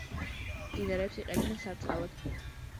მდინარეებს იყენებენ სარწყავად.